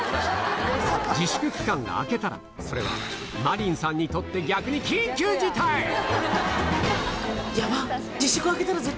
自粛期間が明けたらそれは麻鈴さんにとって逆に緊急事態！ってか。